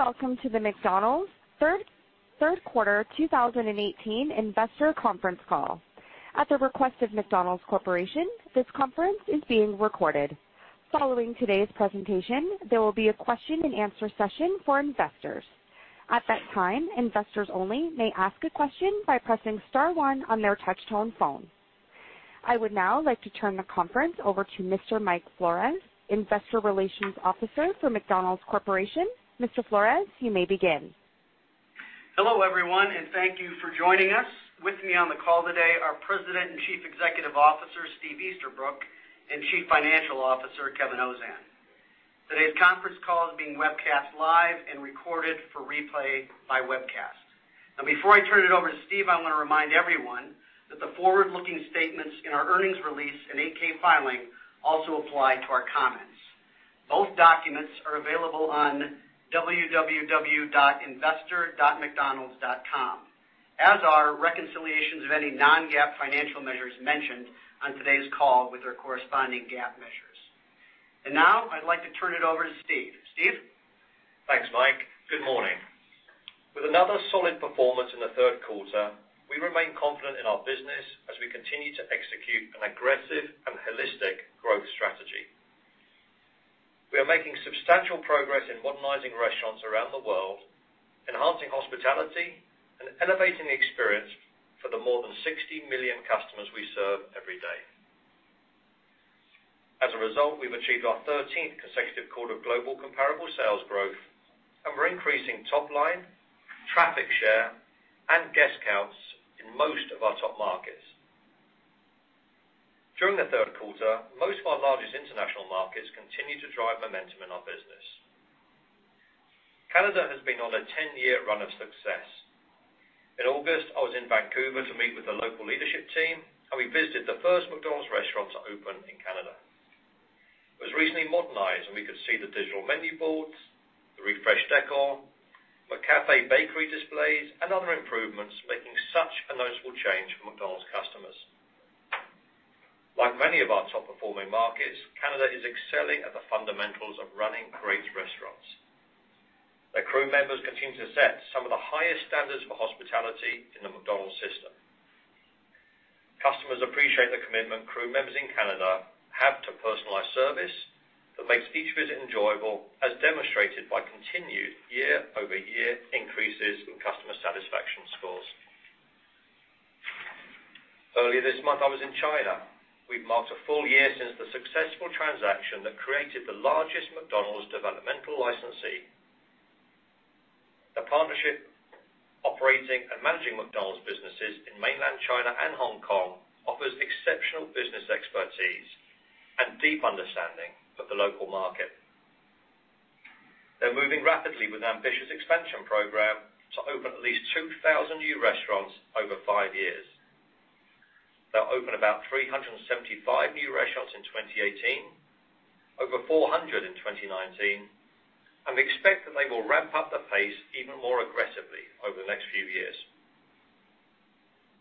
Hello, and welcome to the McDonald's third quarter 2018 investor conference call. At the request of McDonald's Corporation, this conference is being recorded. Following today's presentation, there will be a question and answer session for investors. At that time, investors only may ask a question by pressing star one on their touch-tone phone. I would now like to turn the conference over to Mr. Mike Flores, Investor Relations Officer for McDonald's Corporation. Mr. Flores, you may begin. Hello, everyone, and thank you for joining us. With me on the call today are President and Chief Executive Officer, Steve Easterbrook, and Chief Financial Officer, Kevin Ozan. Today's conference call is being webcast live and recorded for replay by webcast. Before I turn it over to Steve, I want to remind everyone that the forward-looking statements in our earnings release and 8-K filing also apply to our comments. Both documents are available on www.investor.mcdonalds.com, as are reconciliations of any non-GAAP financial measures mentioned on today's call with their corresponding GAAP measures. Now I'd like to turn it over to Steve. Steve? Thanks, Mike. Good morning. With another solid performance in the third quarter, we remain confident in our business as we continue to execute an aggressive and holistic growth strategy. We are making substantial progress in modernizing restaurants around the world, enhancing hospitality, and elevating the experience for the more than 60 million customers we serve every day. As a result, we've achieved our 13th consecutive quarter of global comparable sales growth, and we're increasing top line, traffic share, and guest counts in most of our top markets. During the third quarter, most of our largest international markets continued to drive momentum in our business. Canada has been on a 10-year run of success. In August, I was in Vancouver to meet with the local leadership team, and we visited the first McDonald's restaurant to open in Canada. It was recently modernized, and we could see the digital menu boards, the refreshed decor, McCafé bakery displays, and other improvements, making such a noticeable change for McDonald's customers. Like many of our top-performing markets, Canada is excelling at the fundamentals of running great restaurants. Their crew members continue to set some of the highest standards for hospitality in the McDonald's system. Customers appreciate the commitment crew members in Canada have to personalized service that makes each visit enjoyable, as demonstrated by continued year-over-year increases in customer satisfaction scores. Earlier this month I was in China. We've marked a full year since the successful transaction that created the largest McDonald's developmental licensee. The partnership operating and managing McDonald's businesses in mainland China and Hong Kong offers exceptional business expertise and deep understanding of the local market. They're moving rapidly with an ambitious expansion program to open at least 2,000 new restaurants over five years. They'll open about 375 new restaurants in 2018, over 400 in 2019, and we expect that they will ramp up the pace even more aggressively over the next few years.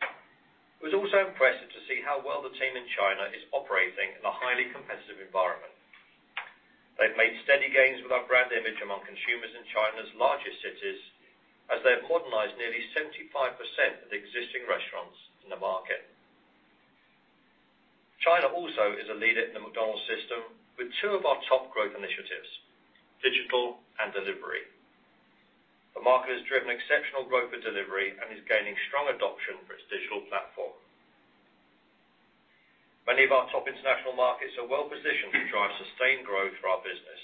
I was also impressed to see how well the team in China is operating in a highly competitive environment. They've made steady gains with our brand image among consumers in China's largest cities as they have modernized nearly 75% of the existing restaurants in the market. China also is a leader in the McDonald's system with two of our top growth initiatives, digital and delivery. The market has driven exceptional growth for delivery and is gaining strong adoption for its digital platform. Many of our top international markets are well positioned to drive sustained growth for our business.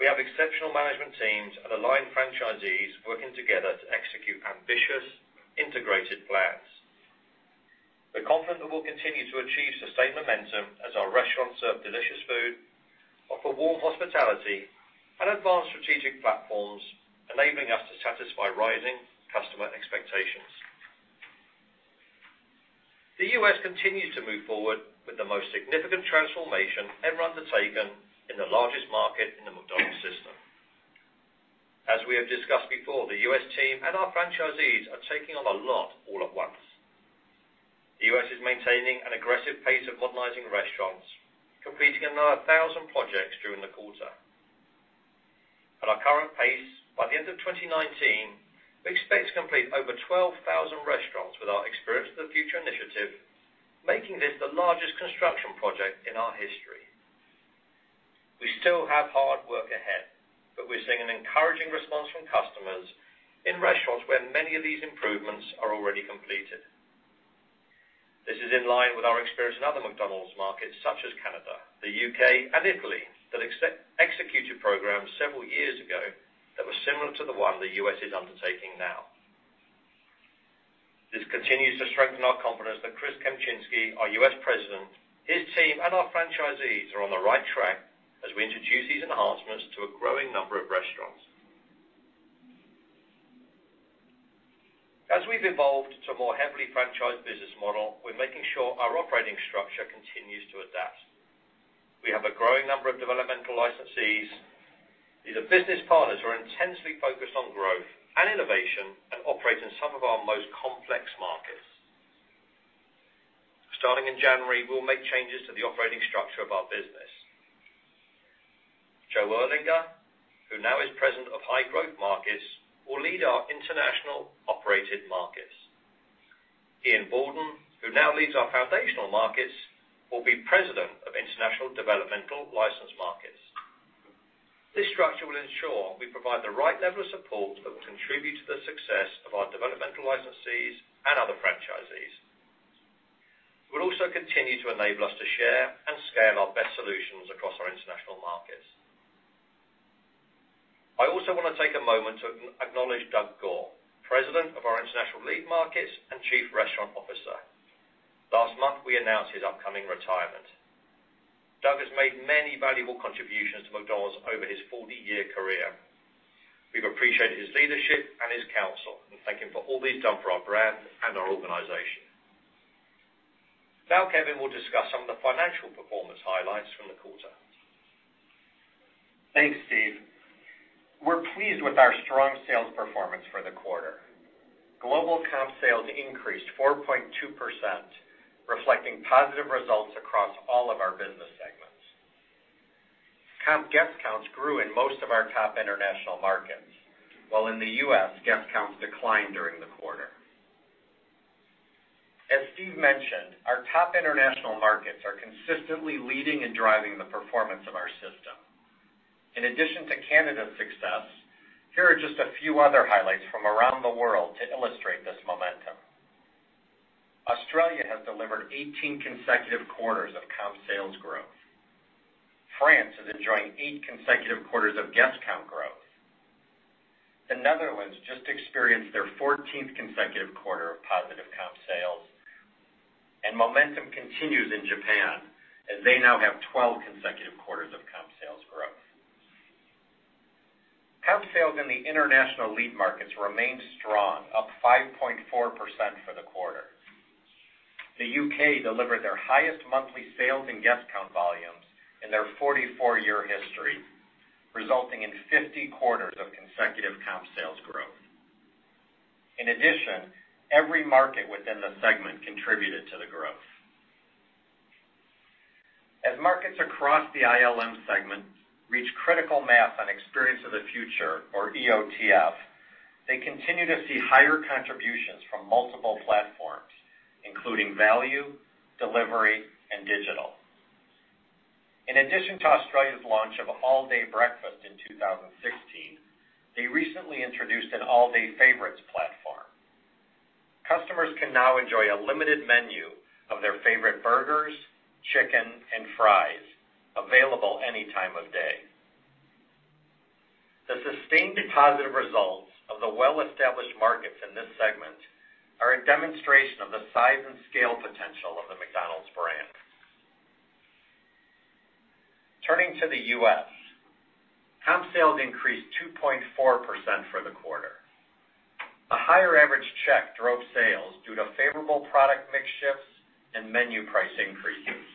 We have exceptional management teams and aligned franchisees working together to execute ambitious, integrated plans. We're confident that we'll continue to achieve sustained momentum as our restaurants serve delicious food, offer warm hospitality, and advance strategic platforms, enabling us to satisfy rising customer expectations. The U.S. continues to move forward with the most significant transformation ever undertaken in the largest market in the McDonald's system. As we have discussed before, the U.S. team and our franchisees are taking on a lot all at once. The U.S. is maintaining an aggressive pace of modernizing restaurants, completing another 1,000 projects during the quarter. At our current pace, by the end of 2019, we expect to complete over 12,000 restaurants with our Experience of the Future initiative, making this the largest construction project in our history. We still have hard work ahead, but we're seeing an encouraging response from customers in restaurants where many of these improvements are already completed. This is in line with our experience in other McDonald's markets such as Canada, the U.K., and Italy, that executed programs several years ago that were similar to the one the U.S. is undertaking now. This continues to strengthen our confidence that Chris Kempczinski, our U.S. President, his team, and our franchisees are on the right track as we introduce these enhancements to a growing number of restaurants. As we've evolved to a more heavily franchised business model, we're making sure our operating structure continues to adapt. We have a growing number of developmental licensees. These are business partners who are intensely focused on growth and innovation and operate in some of our most complex markets. Starting in January, we'll make changes to the operating structure of our business. Joe Erlinger, who now is President of High Growth Markets, will lead our international operated markets. Ian Borden, who now leads our foundational markets, will be President of International Developmental Licensed Markets. This structure will ensure we provide the right level of support that will contribute to the success of our developmental licensees and other franchisees. We'll also continue to enable us to share and scale our best solutions across our international markets. I also want to take a moment to acknowledge Doug Goare, President of our International Lead Markets and Chief Restaurant Officer. Last month, we announced his upcoming retirement. Doug has made many valuable contributions to McDonald's over his 40-year career. We've appreciated his leadership and his counsel, and thank him for all he's done for our brand and our organization. Kevin will discuss some of the financial performance highlights from the quarter. Thanks, Steve. We're pleased with our strong sales performance for the quarter. Global comp sales increased 4.2%, reflecting positive results across all of our business segments. Comp guest counts grew in most of our top international markets, while in the U.S., guest counts declined during the quarter. As Steve mentioned, our top international markets are consistently leading and driving the performance of our system. In addition to Canada's success, here are just a few other highlights from around the world to illustrate this momentum. Australia has delivered 18 consecutive quarters of comp sales growth. France is enjoying eight consecutive quarters of guest count growth. The Netherlands just experienced their 14th consecutive quarter of positive comp sales. Momentum continues in Japan, as they now have 12 consecutive quarters of comp sales growth. Comp sales in the international lead markets remain strong, up 5.4% for the quarter. The U.K. delivered their highest monthly sales and guest count volumes in their 44-year history, resulting in 50 quarters of consecutive comp sales growth. In addition, every market within the segment contributed to the growth. As markets across the ILM segment reach critical mass on Experience of the Future, or EOTF, they continue to see higher contributions from multiple platforms, including value, delivery, and digital. In addition to Australia's launch of all-day breakfast in 2016, they recently introduced an all-day favorites platform. Customers can now enjoy a limited menu of their favorite burgers, chicken, and fries available any time of day. The sustained positive results of the well-established markets in this segment are a demonstration of the size and scale potential of the McDonald's brand. Turning to the U.S., comp sales increased 2.4% for the quarter. A higher average check drove sales due to favorable product mix shifts and menu price increases.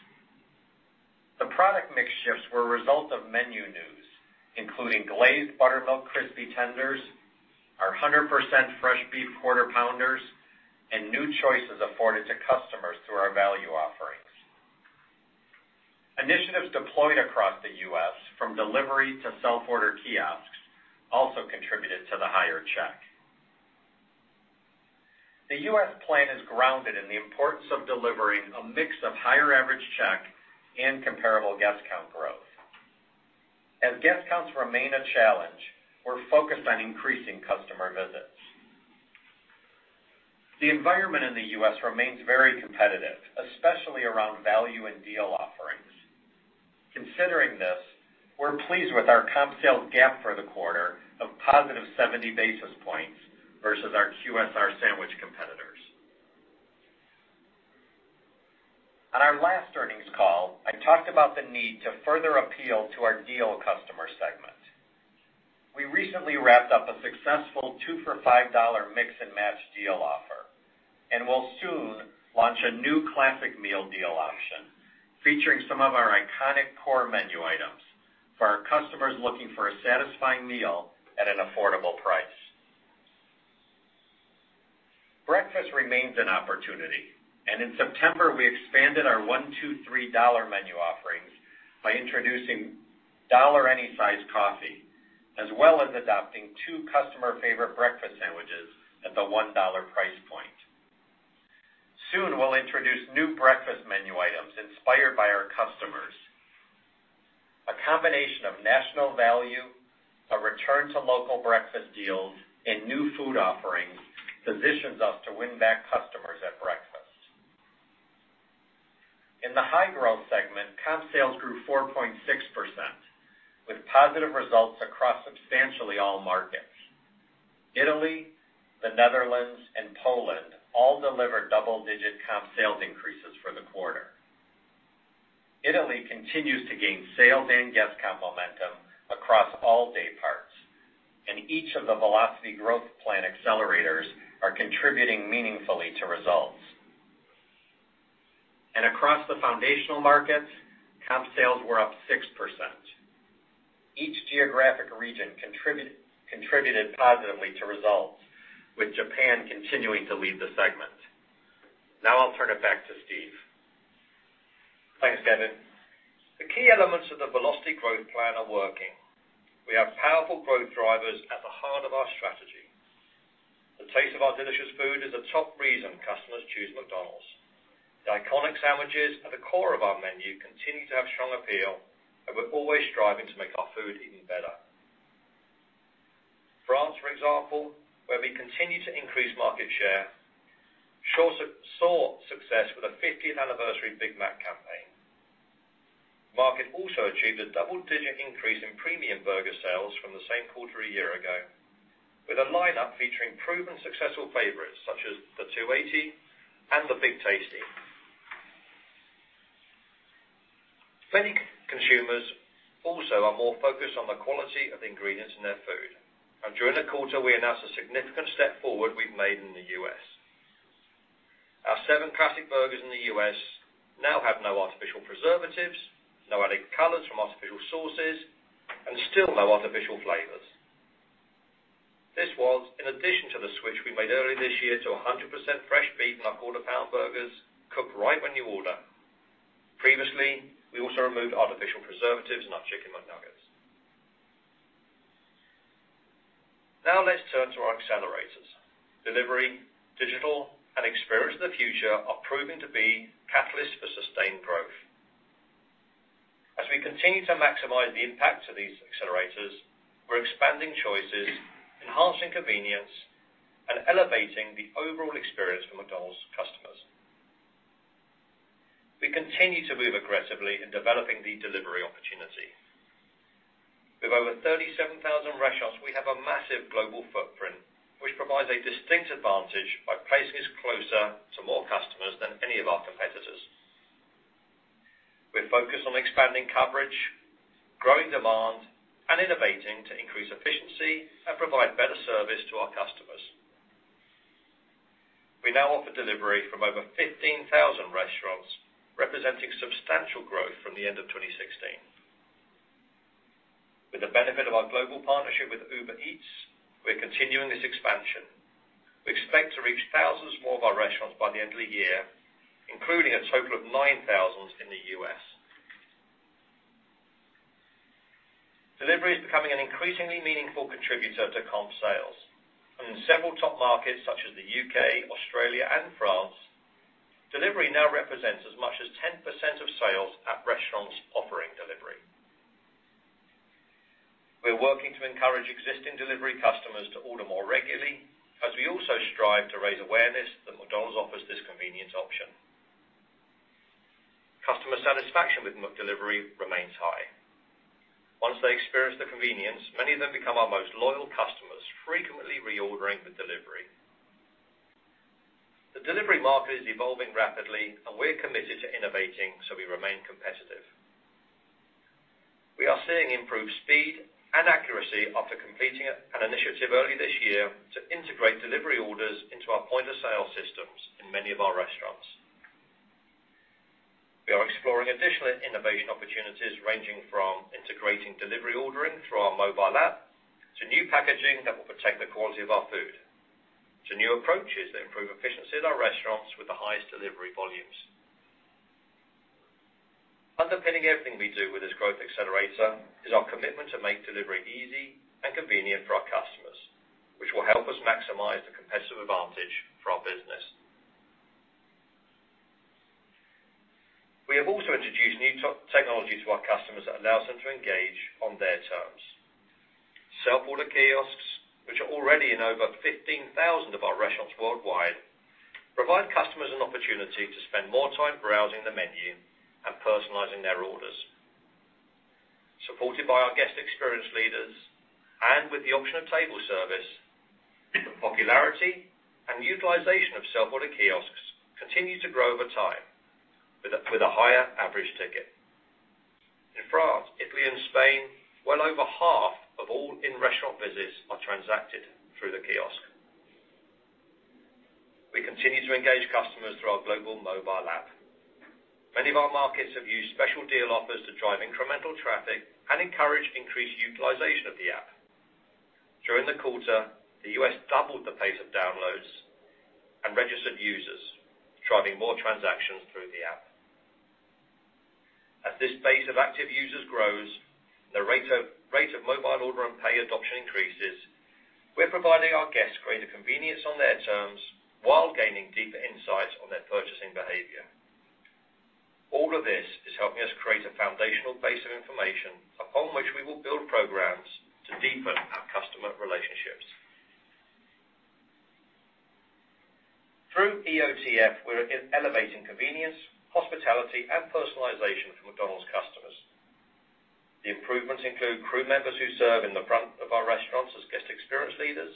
The product mix shifts were a result of menu news, including Glazed Buttermilk Crispy Tenders, our 100% fresh beef Quarter Pounders, and new choices afforded to customers through our value offerings. Initiatives deployed across the U.S., from delivery to self-order kiosks, also contributed to the higher check. The U.S. plan is grounded in the importance of delivering a mix of higher average check and comparable guest count growth. As guest counts remain a challenge, we're focused on increasing customer visits. The environment in the U.S. remains very competitive, especially around value and deal offerings. Considering this, we're pleased with our comp sales gap for the quarter of positive 70 basis points versus our QSR sandwich competitors. On our last earnings call, I talked about the need to further appeal to our deal customer segment. We recently wrapped up a successful 2 for $5 mix and match deal offer, and will soon launch a new classic meal deal option featuring some of our iconic core menu items for our customers looking for a satisfying meal at an affordable price. Breakfast remains an opportunity. In September, we expanded our $1, $2, $3 Dollar Menu offerings by introducing $1 any size coffee, as well as adopting 2 customer favorite breakfast sandwiches at the $1 price point. Soon, we'll introduce new breakfast menu items inspired by our customers. A combination of national value, a return to local breakfast deals, and new food offerings positions us to win back customers at breakfast. In the High Growth Markets segment, comp sales grew 4.6%, with positive results across substantially all markets. Italy, the Netherlands, and Poland all delivered double-digit comp sales increases for the quarter. Italy continues to gain sales and guest comp momentum across all day parts. Each of the Velocity Growth Plan accelerators are contributing meaningfully to results. Across the Foundational Markets, comp sales were up 6%. Each geographic region contributed positively to results, with Japan continuing to lead the segment. Now I'll turn it back to Steve. Thanks, Kevin. The key elements of the Velocity Growth Plan are working. We have powerful growth drivers at the heart of our strategy. The taste of our delicious food is a top reason customers choose McDonald's. The iconic sandwiches at the core of our menu continue to have strong appeal, and we're always striving to make our food even better. France, for example, where we continue to increase market share, saw success with a 50th anniversary Big Mac campaign. Market also achieved a double-digit increase in premium burger sales from the same quarter a year ago, with a lineup featuring proven successful favorites such as the Le 280 and the Big Tasty. Many consumers also are more focused on the quality of ingredients in their food. During the quarter, we announced a significant step forward we've made in the U.S. Our seven classic burgers in the U.S. now have no artificial preservatives, no added colors from artificial sources, and still no artificial flavors. This was in addition to the switch we made earlier this year to 100% fresh beef in our quarter-pound burgers, cooked right when you order. Previously, we also removed artificial preservatives in our Chicken McNuggets. Now let's turn to our accelerators. Delivery, digital, and Experience of the Future are proving to be catalysts for sustained growth. As we continue to maximize the impact of these accelerators, we're expanding choices, enhancing convenience, and elevating the overall experience for McDonald's customers. We continue to move aggressively in developing the delivery opportunity. With over 37,000 restaurants, we have a massive global footprint, which provides a distinct advantage by placing us closer to more customers than any of our competitors. We're focused on expanding coverage, growing demand, and innovating to increase efficiency and provide better service to our customers. We now offer delivery from over 15,000 restaurants, representing substantial growth from the end of 2016. With the benefit of our global partnership with Uber Eats, we're continuing this expansion. We expect to reach thousands more of our restaurants by the end of the year, including a total of 9,000 in the U.S. Delivery is becoming an increasingly meaningful contributor to comp sales. In several top markets such as the U.K., Australia, and France, delivery now represents as much as 10% of sales at restaurants offering delivery. We're working to encourage existing delivery customers to order more regularly as we also strive to raise awareness that McDonald's offers this convenience option. Customer satisfaction with McDelivery remains high. Once they experience the convenience, many of them become our most loyal customers, frequently reordering for delivery. The delivery market is evolving rapidly, and we're committed to innovating so we remain competitive. We are seeing improved speed and accuracy after completing an initiative early this year to integrate delivery orders into our point-of-sale systems in many of our restaurants. We are exploring additional innovation opportunities ranging from integrating delivery ordering through our mobile app, to new packaging that will protect the quality of our food, to new approaches that improve efficiency at our restaurants with the highest delivery volumes. Underpinning everything we do with this growth accelerator is our commitment to make delivery easy and convenient for our customers, which will help us maximize the competitive advantage for our business. We have also introduced new technology to our customers that allows them to engage on their terms. Self-order kiosks, which are already in over 15,000 of our restaurants worldwide, provide customers an opportunity to spend more time browsing the menu and personalizing their orders. Supported by our guest experience leaders and with the option of table service, the popularity and utilization of self-order kiosks continue to grow over time with a higher average ticket. In France, Italy, and Spain, well over half of all in-restaurant visits are transacted through the kiosk. We continue to engage customers through our Global Mobile App. Many of our markets have used special deal offers to drive incremental traffic and encourage increased utilization of the app. During the quarter, the U.S. doubled the pace of downloads and registered users, driving more transactions through the app. As this base of active users grows, the rate of mobile order and pay adoption increases, we're providing our guests greater convenience on their terms while gaining deeper insights on their purchasing behavior. All of this is helping us create a foundational base of information upon which we will build programs to deepen our customer relationships. Through EOTF, we're elevating convenience, hospitality, and personalization for McDonald's customers. The improvements include crew members who serve in the front of our restaurants as guest experience leaders,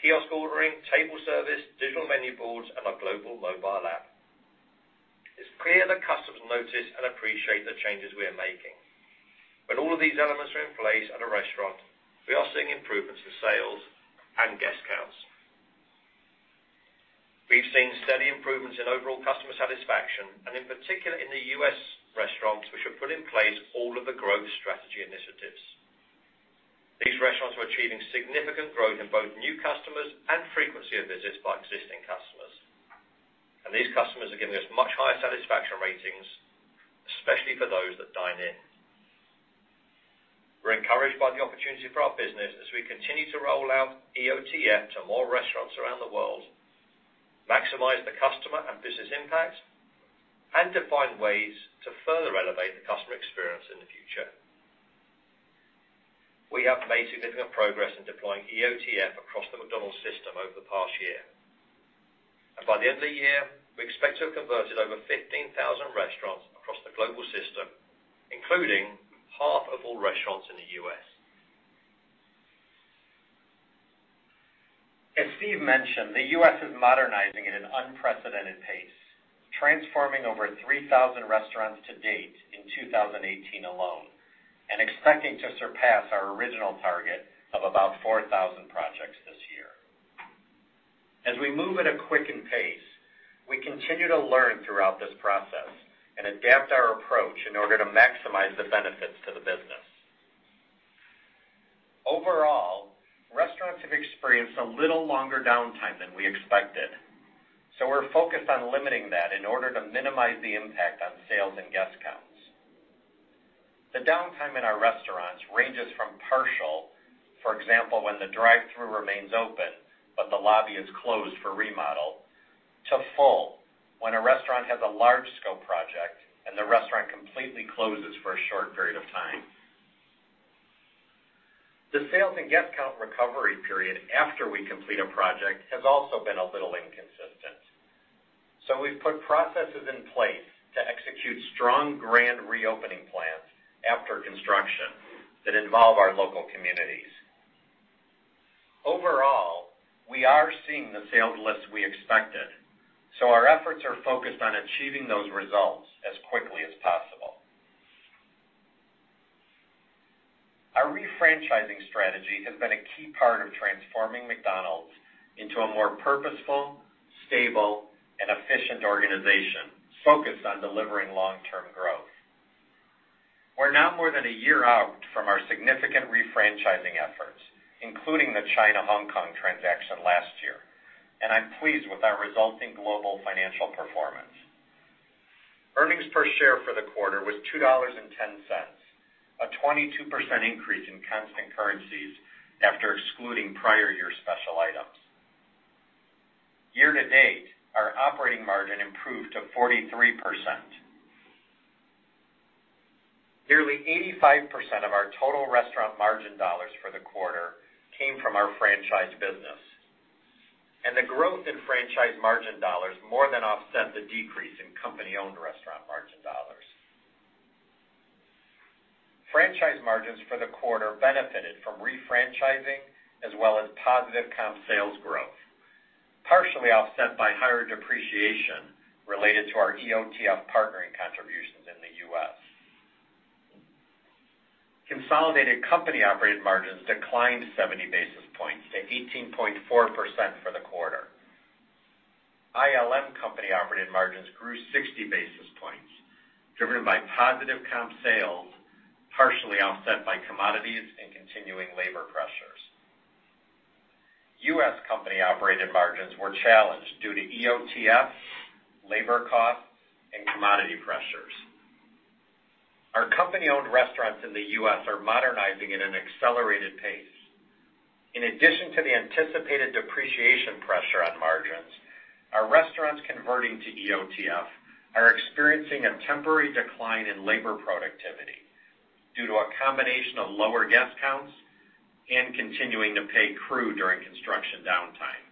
kiosk ordering, table service, digital menu boards, and our Global Mobile App. It's clear that customers notice and appreciate the changes we are making. When all of these elements are in place at a restaurant, we are seeing improvements in sales, in overall customer satisfaction, and in particular in the U.S. restaurants, we should put in place all of the growth strategy initiatives. These restaurants are achieving significant growth in both new customers and frequency of visits by existing customers. These customers are giving us much higher satisfaction ratings, especially for those that dine in. We're encouraged by the opportunity for our business as we continue to roll out EOTF to more restaurants around the world, maximize the customer and business impact, and to find ways to further elevate the customer experience in the future. We have made significant progress in deploying EOTF across the McDonald's system over the past year. By the end of the year, we expect to have converted over 15,000 restaurants across the global system, including half of all restaurants in the U.S. As Steve mentioned, the U.S. is modernizing at an unprecedented pace, transforming over 3,000 restaurants to date in 2018 alone, expecting to surpass our original target of about 4,000 projects this year. We move at a quickened pace, we continue to learn throughout this process and adapt our approach in order to maximize the benefits to the business. Overall, restaurants have experienced a little longer downtime than we expected, we're focused on limiting that in order to minimize the impact on sales and guest counts. The downtime in our restaurants ranges from partial, for example, when the drive-thru remains open but the lobby is closed for remodel, to full, when a restaurant has a large scope project and the restaurant completely closes for a short period of time. The sales and guest count recovery period after we complete a project has also been a little inconsistent. We've put processes in place to execute strong grand reopening plans after construction that involve our local communities. Overall, we are seeing the sales lifts we expected, our efforts are focused on achieving those results as quickly as possible. Our refranchising strategy has been a key part of transforming McDonald's into a more purposeful, stable, and efficient organization focused on delivering long-term growth. We're now more than a year out from our significant refranchising efforts, including the China-Hong Kong transaction last year, I'm pleased with our resulting global financial performance. Earnings per share for the quarter was $2.10, a 22% increase in constant currencies after excluding prior year special items. Year to date, our operating margin improved to 43%. Nearly 85% of our total restaurant margin dollars for the quarter came from our franchise business, the growth in franchise margin dollars more than offset the decrease in company-owned restaurant margin dollars. Franchise margins for the quarter benefited from refranchising as well as positive comp sales growth, partially offset by higher depreciation related to our EOTF partnering contributions in the U.S. Consolidated company-operated margins declined 70 basis points to 18.4% for the quarter. ILM company-operated margins grew 60 basis points, driven by positive comp sales, partially offset by commodities and continuing labor pressures. U.S. company-operated margins were challenged due to EOTFs, labor costs, and commodity pressures. Our company-owned restaurants in the U.S. are modernizing at an accelerated pace. In addition to the anticipated depreciation pressure on margins, our restaurants converting to EOTF are experiencing a temporary decline in labor productivity due to a combination of lower guest counts and continuing to pay crew during construction downtime.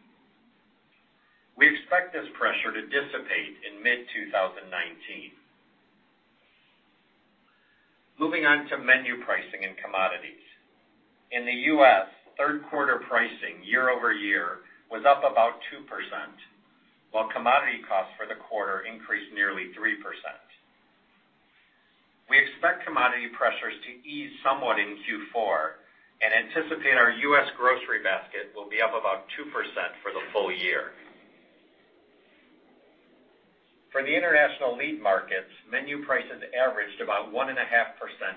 We expect this pressure to dissipate in mid-2019. Moving on to menu pricing and commodities. In the U.S., third quarter pricing year-over-year was up about 2%, while commodity costs for the quarter increased nearly 3%. We expect commodity pressures to ease somewhat in Q4 and anticipate our U.S. grocery basket will be up about 2% for the full year. For the International Lead Markets, menu prices averaged about 1.5%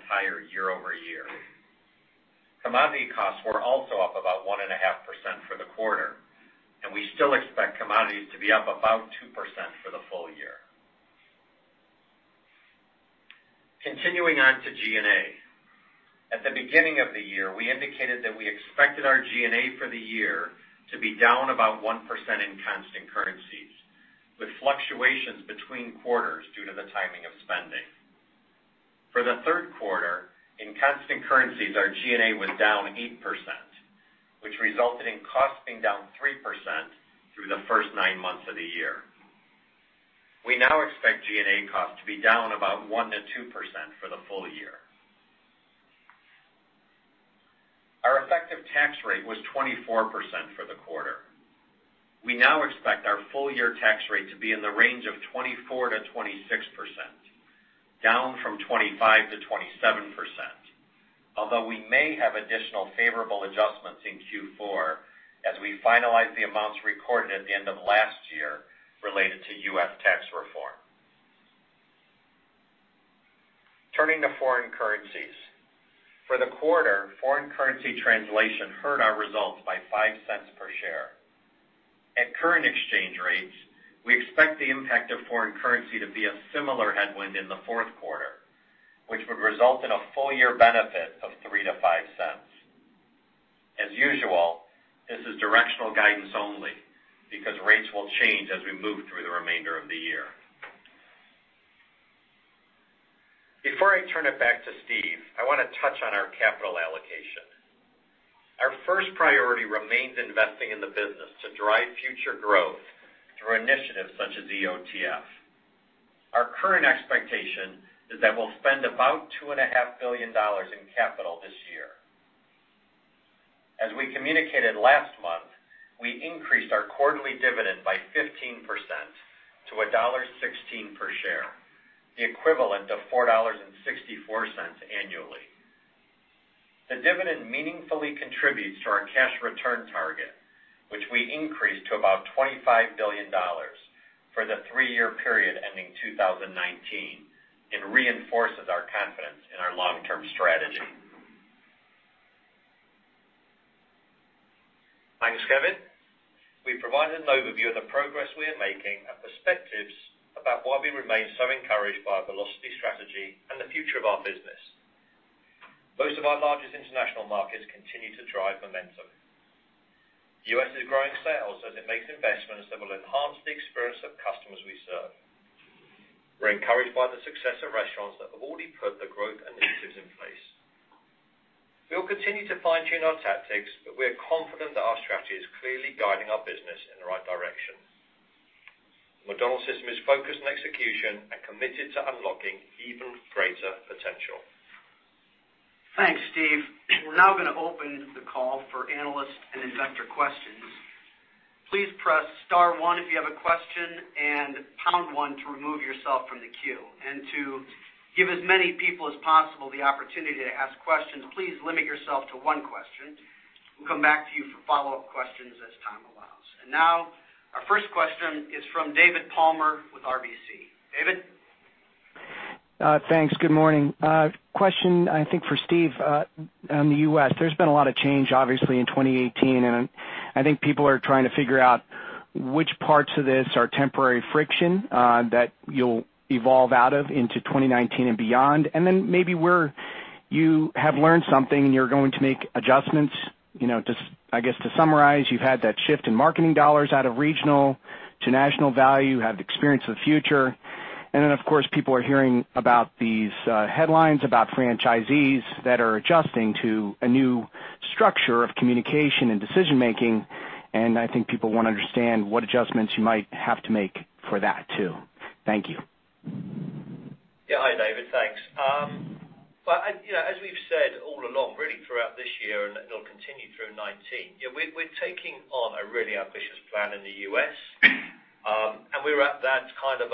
higher year-over-year. Commodity costs were also up about 1.5% for the quarter, and we still expect commodities to be up about 2% for the full year. Continuing on to G&A. At the beginning of the year, we indicated that we expected our G&A for the year to be down about 1% in constant currencies, with fluctuations between quarters due to the timing of spending. For the third quarter, in constant currencies, our G&A was down 8%, which resulted in costs being down 3% through the first nine months of the year. We now expect G&A costs to be down about 1%-2% for the full year. Our effective tax rate was 24% for the quarter. We now expect our full year tax rate to be in the range of 24%-26%, down from 25%-27%. Although we may have additional favorable adjustments in Q4 as we finalize the amounts recorded at the end of last year related to U.S. tax reform. Turning to foreign currencies. For the quarter, foreign currency translation hurt our results by $0.05 per share. At current exchange rates, we expect the impact of foreign currency to be a similar headwind in the fourth quarter, which would result in a full-year benefit of $0.03-$0.05. As usual, this is directional guidance only because rates will change as we move through the remainder of the year. Before I turn it back to Steve, I want to touch on our capital allocation. Our first priority remains investing in the business to drive future growth through initiatives such as EOTF. Our current expectation is that we'll spend about $2.5 billion in capital this year. As we communicated last month, we increased our quarterly dividend by 15% to $1.16 per share, the equivalent of $4.64 annually. The dividend meaningfully contributes to our cash return target, which we increased to about $25 billion for the three-year period ending 2019 and reinforces our confidence in our long-term strategy. Thanks, Kevin. We've provided an overview of the progress we are making and perspectives about why we remain so encouraged by our velocity strategy and the future of our business. Most of our largest international markets continue to drive momentum. The U.S. is growing sales as it makes investments that will enhance the experience of customers we serve. We're encouraged by the success of restaurants that have already put the growth initiatives in place. We'll continue to fine-tune our tactics, but we're confident that our strategy is clearly guiding our business in the right direction. McDonald's system is focused on execution and committed to unlocking even greater potential. Thanks, Steve. We're now going to open the call for analyst and investor questions. Please press star one if you have a question and pound one to remove yourself from the queue. To give as many people as possible the opportunity to ask questions, please limit yourself to one question. We'll come back to you for follow-up questions as time allows. Now, our first question is from David Palmer with RBC. David? Thanks. Good morning. Question, I think, for Steve on the U.S. There's been a lot of change, obviously, in 2018, and I think people are trying to figure out which parts of this are temporary friction that you'll evolve out of into 2019 and beyond. Then maybe where you have learned something and you're going to make adjustments. I guess to summarize, you've had that shift in marketing dollars out of regional to national value. You have the Experience of the Future. Then, of course, people are hearing about these headlines about franchisees that are adjusting to a new structure of communication and decision-making, and I think people want to understand what adjustments you might have to make for that, too. Thank you. Hi, David. Thanks. As we've said all along, really throughout this year, and it'll continue through 2019, we're taking on a really ambitious plan in the U.S. We're at that kind of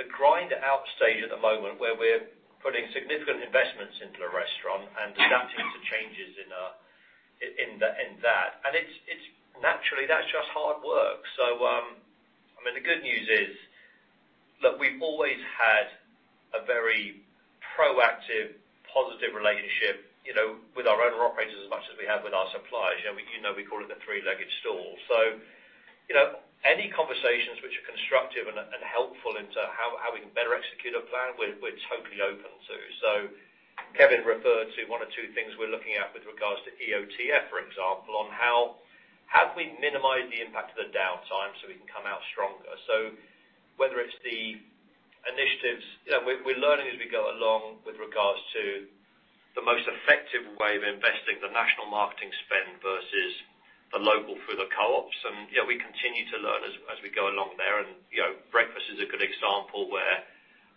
the grind out stage at the moment where we're putting significant investments into the restaurant and adapting to changes in that. Naturally, that's just hard work. The good news is, look, we've always had a very proactive, positive relationship with our owner operators as much as we have with our suppliers. We call it the three-legged stool. Any conversations which are constructive and helpful into how we can better execute a plan, we're totally open to. Kevin referred to one or two things we're looking at with regards to EOTF, for example, on how do we minimize the impact of the downtime so we can come out stronger. We're learning as we go along with regards to the most effective way of investing the national marketing spend versus the local through the co-ops. We continue to learn as we go along there. Breakfast is a good example where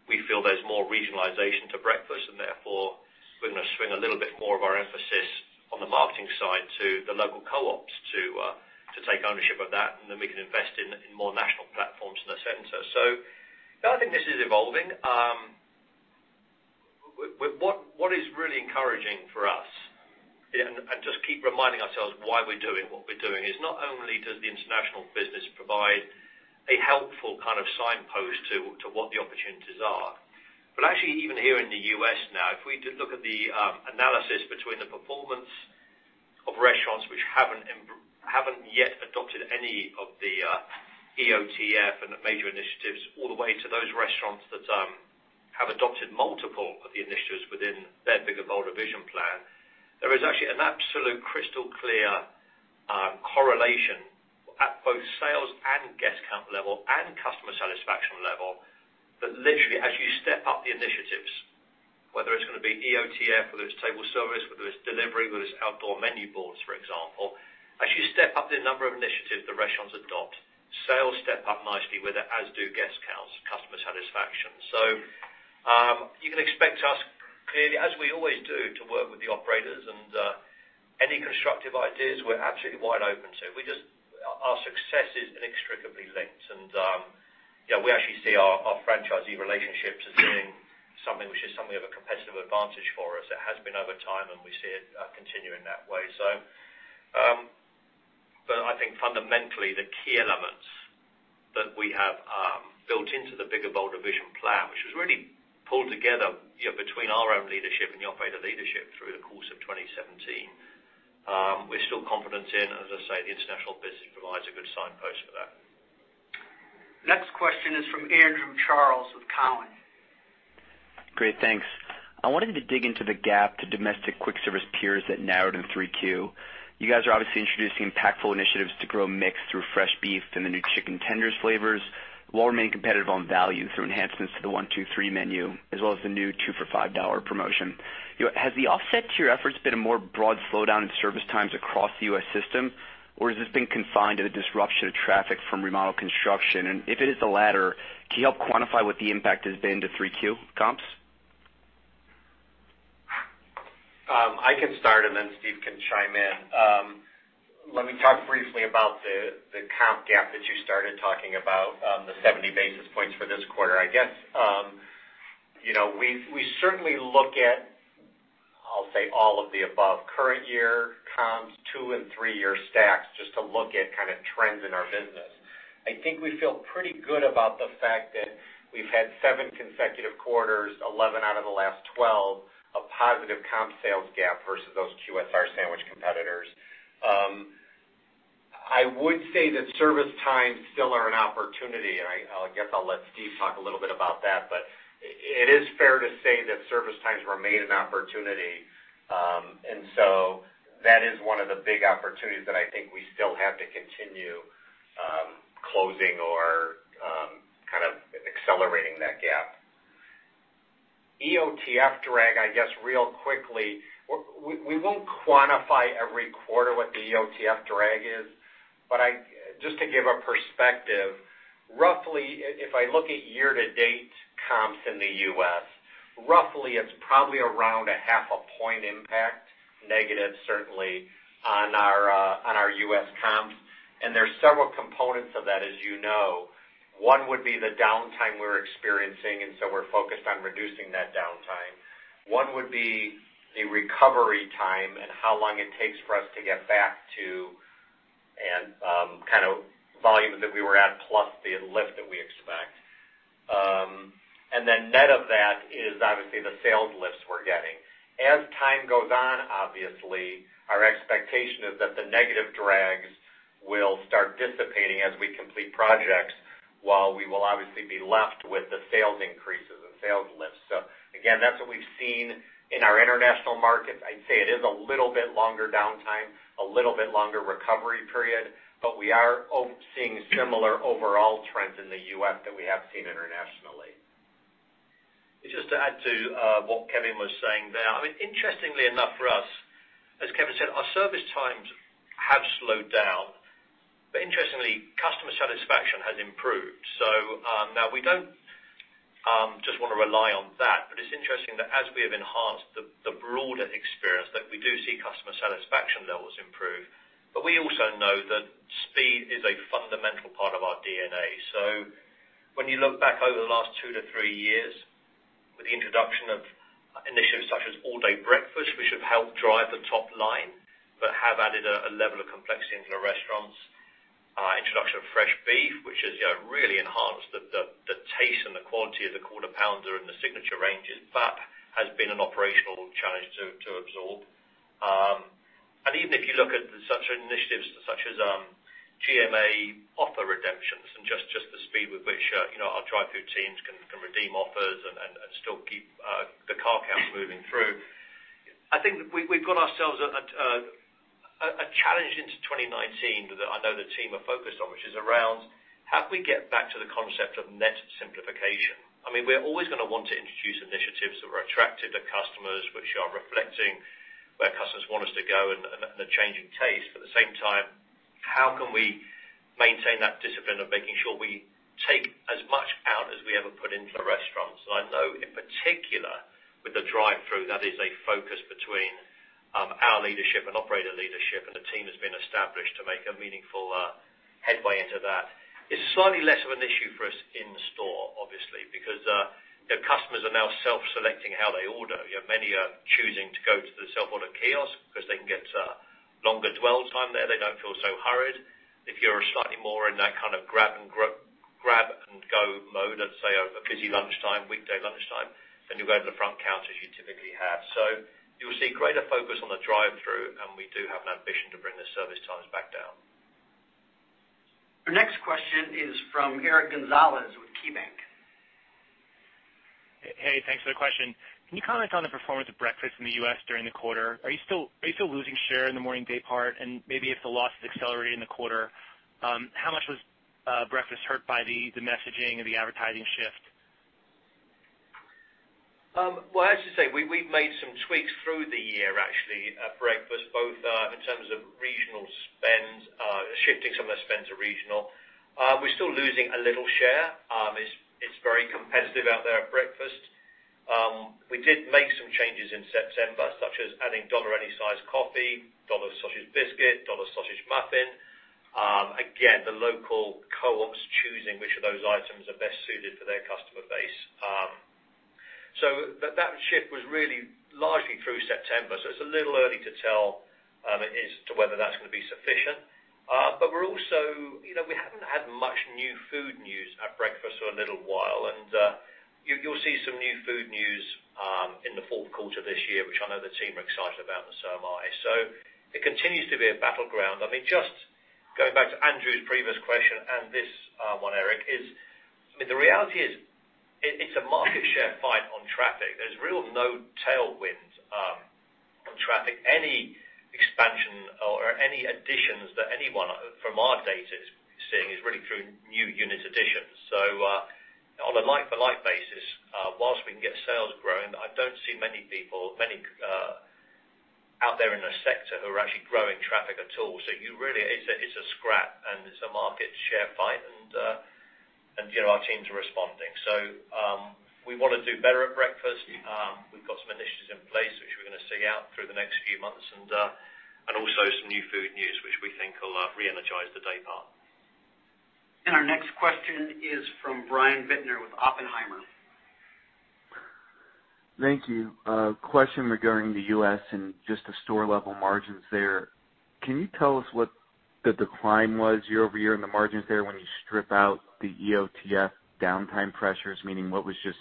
we feel there's more regionalization to breakfast, and therefore, we're going to swing a little bit more of our emphasis on the marketing side to the local co-ops to take ownership of that, and then we can invest in more national platforms in the center. I think this is evolving. What is really encouraging for us, and just keep reminding ourselves why we're doing what we're doing, is not only does the international business provide a helpful kind of signpost to what the opportunities are. Actually, even here in the U.S. now, if we look at the analysis between the performance of restaurants which haven't yet adopted any of the EOTF and the major initiatives, all the way to those restaurants that have adopted multiple of the initiatives within their Bigger Bolder Vision plan, there is actually an absolute crystal clear correlation at both sales and guest count level and customer satisfaction level. That literally, as you step up the initiatives, whether it's going to be EOTF, whether it's table service, whether it's delivery, whether it's outdoor menu boards, for example. As you step up the number of initiatives the restaurants adopt, sales step up nicely with it, as do guest counts, customer satisfaction. You can expect us, clearly, as we always do, to work with the operators. Any constructive ideas, we're absolutely wide open to. Our success is inextricably linked, and we actually see our franchisee relationships as being something which is something of a competitive advantage for us. It has been over time, and we see it continuing that way. I think fundamentally, the key elements that we have built into the Bigger Bolder Vision plan, which was really pulled together between our own leadership and the operator leadership through the course of 2017. We're still confident in, as I say, the international business provides a good signpost for that. Next question is from Andrew Charles with Cowen. Great, thanks. I wanted to dig into the gap to domestic quick service peers that narrowed in 3Q. You guys are obviously introducing impactful initiatives to grow mix through fresh beef and the new chicken tenders flavors, while remaining competitive on value through enhancements to the One, Two, Three Menu, as well as the new 2 for $5 promotion. Has the offset to your efforts been a more broad slowdown in service times across the U.S. system, or has this been confined to the disruption of traffic from remodel construction? If it is the latter, can you help quantify what the impact has been to 3Q comps? I can start, then Steve can chime in. Let me talk briefly about the comp gap that you started talking about, the 70 basis points for this quarter. I guess, we certainly look at, I will say all of the above, current year comps, two and three-year stacks, just to look at kind of trends in our business. I think we feel pretty good about the fact that we have had seven consecutive quarters, 11 out of the last 12, of positive comp sales gap versus those QSR sandwich competitors. I would say that service times still are an opportunity, I guess I will let Steve talk a little bit about that. It is fair to say that service times remain an opportunity. That is one of the big opportunities that I think we still have to continue closing or kind of accelerating that gap. EOTF drag, I guess, real quickly, we will not quantify every quarter what the EOTF drag is, but just to give a perspective, roughly, if I look at year-to-date comps in the U.S., roughly, it is probably around a half a point impact, negative certainly, on our U.S. comps. There is several components of that, as you know. One would be the downtime we are experiencing, we are focused on reducing that downtime. One would be a recovery time and how long it takes for us to get back to and kind of volumes that we were at plus the lift that we expect. Then net of that is obviously the sales lifts we are getting. As time goes on, obviously, our expectation is that the negative drags will start dissipating as we complete projects, while we will obviously be left with the sales increases and sales lifts. Again, that is what we have seen in our international markets. I would say it is a little bit longer downtime, a little bit longer recovery period, but we are seeing similar overall trends in the U.S. than we have seen internationally. Just to add to what Kevin was saying there. Interestingly enough for us, as Kevin said, our service times have slowed down. Interestingly, customer satisfaction has improved. Now we don't just want to rely on that, but it's interesting that as we have enhanced the broader experience, that we do see customer satisfaction levels improve. We also know that speed is a fundamental part of our DNA. When you look back over the last two to three years with the introduction of initiatives such as All-Day Breakfast, which have helped drive the top line but have added a level of complexity into the restaurants. Introduction of fresh beef, which has really enhanced the taste and the quality of the Quarter Pounder and the signature ranges. That has been an operational challenge to absorb. Even if you look at such initiatives such as GMA offer redemptions and just the speed with which our drive-through teams can redeem offers and still keep the car count moving through. I think we've got ourselves a challenge into 2019 that I know the team are focused on, which is around how do we get back to the concept of net simplification? We're always going to want to introduce initiatives that are attractive to customers, which are reflecting where customers want us to go and the change in taste. At the same time, how can we maintain that discipline of making sure we take as much out as we ever put into the restaurants? I know in particular with the drive-through, that is a focus between our leadership and operator leadership, and a team has been established to make a meaningful headway into that. It's slightly less of an issue for us in store, obviously, because the customers are now self-selecting how they order. Many are choosing to go to the self-order kiosk because they can get longer dwell time there. They don't feel so hurried. If you're slightly more in that kind of grab-and-go mode, let's say, over busy lunchtime, weekday lunchtime, then you go to the front counter as you typically have. You'll see greater focus on the drive-through, and we do have an ambition to bring the service times back down. Our next question is from Eric Gonzalez with KeyBanc. Hey, thanks for the question. Can you comment on the performance of breakfast in the U.S. during the quarter? Are you still losing share in the morning day part? Maybe if the loss is accelerating in the quarter, how much was breakfast hurt by the messaging and the advertising shift? Well, as you say, we've made some tweaks through the year, actually, at breakfast, both in terms of regional spend. Some of the spends are regional. We're still losing a little share. It's very competitive out there at breakfast. We did make some changes in September, such as adding $1 any size coffee, $1 sausage biscuit, $1 sausage muffin. Again, the local co-ops choosing which of those items are best suited for their customer base. That shift was really largely through September, so it's a little early to tell as to whether that's going to be sufficient. We haven't had much new food news at breakfast for a little while, and you'll see some new food news in the fourth quarter this year, which I know the team are excited about, and so am I. It continues to be a battleground. Just going back to Andrew's previous question and this one, Eric is, the reality is, it's a market share fight on traffic. There's real no tailwinds on traffic. Any expansion or any additions that anyone from our data is seeing is really through new unit additions. On a like-for-like basis, whilst we can get sales growing, I don't see many people out there in the sector who are actually growing traffic at all. It's a scrap, and it's a market share fight, and our teams are responding. We want to do better at breakfast. We've got some initiatives in place, which we're going to see out through the next few months, and also some new food news, which we think will re-energize the day part. Our next question is from Brian Bittner with Oppenheimer. Thank you. A question regarding the U.S. and just the store-level margins there. Can you tell us what the decline was year-over-year in the margins there when you strip out the EOTF downtime pressures? Meaning, what was just